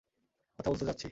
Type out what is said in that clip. কথা বলতে যাচ্ছি।